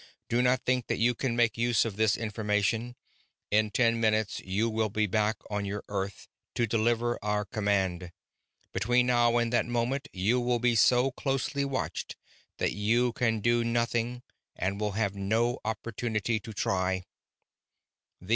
Do not think that you can make use of this information in ten minutes you will be back on your Earth to deliver our command. Between now and that moment you will be so closely watched that you can do nothing and will have no opportunity to try.